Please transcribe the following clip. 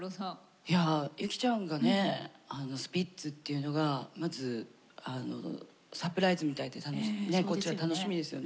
いやゆきちゃんがねスピッツっていうのがまずサプライズみたいでこっちは楽しみですよね。